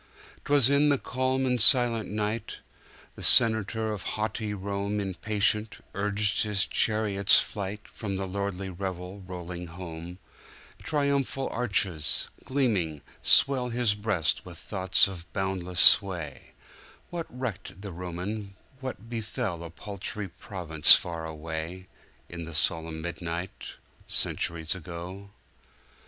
'Twas in the calm and silent night! The senator of haughty RomeImpatient, urged his chariot's flight, From lordly revel rolling home:Triumphal arches, gleaming, swell His breast with thoughts of boundless sway:What recked the Roman what befell A paltry province far away, In the solemn midnight, Centuries ago?